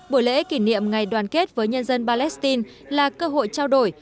buổi lễ kỷ niệm ngày đoàn kết với nhân dân palestine là cơ hội trao đổi